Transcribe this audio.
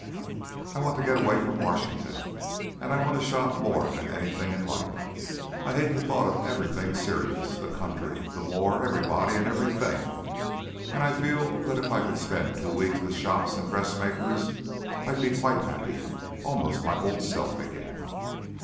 "I want to get away from Washington, and I want to shop more than anything in life. I hate the thought of everything serious, the country, the war, everybody and everything, and I feel that if I could spend two weeks with shops and dressmakers I'd be quite happy almost my old self again."